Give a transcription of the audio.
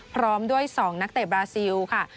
พร้อมด้วย๒นักเตะบราซิลค่ะ